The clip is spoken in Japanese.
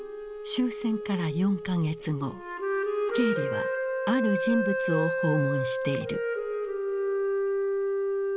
終戦から４か月後ケーリはある人物を訪問している。